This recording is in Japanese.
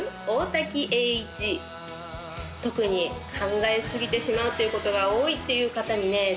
大滝詠一」特に考えすぎてしまうっていうことが多いっていう方にね